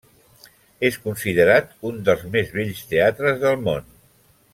És considerat un dels més bells teatres del món.